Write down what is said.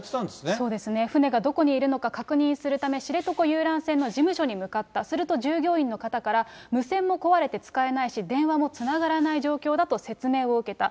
そうですね、船がどこにいるのか確認するため、知床遊覧船の事務所に向かった、すると会社の方から無線も壊れて使えないし、電話もつながらない状況だと説明を受けた。